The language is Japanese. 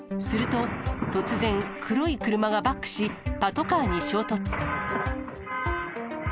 すると、突然、黒い車がバックし、パトカーに衝突。